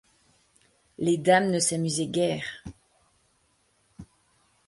Les dames ne s’amusaient guère.